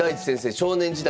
少年時代